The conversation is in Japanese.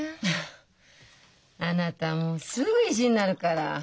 あなたすぐ意地になるから。